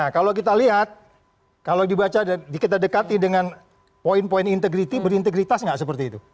kalau kita lihat kalau kita dekati dengan poin poin integriti berintegritas gak seperti itu